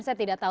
saya tidak tahu